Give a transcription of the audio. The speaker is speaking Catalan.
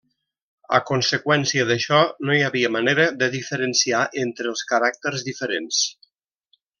A conseqüència d'això no hi havia manera de diferenciar entre els caràcters diferents.